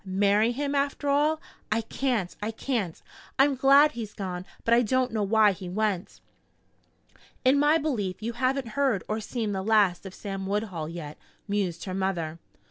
Marry him, after all? I can't I can't! I'm glad he's gone, but I don't know why he went." "In my belief you haven't heard or seen the last of Sam Woodhull yet," mused her mother.